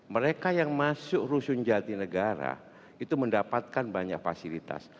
mereka yang masuk rusun jati negara itu mendapatkan banyak fasilitas